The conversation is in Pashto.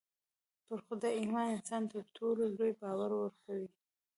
پر خدای ايمان انسان ته تر ټولو لوی باور ورکوي.